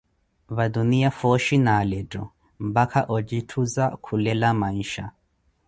vatuniya fooshi na alettho, mpakha ojithuza kulela mansha.